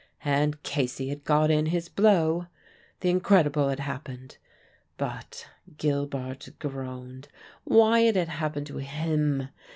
And Casey had got in his blow. The incredible had happened; but (Gilbart groaned) why had it happened to _him?